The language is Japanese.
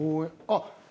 あっ。